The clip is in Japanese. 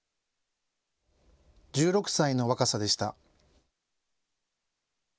１６歳の若さでした。